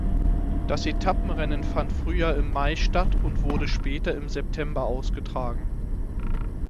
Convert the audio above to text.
Das Etappenrennen fand früher im Mai statt und wurde später im September ausgetragen.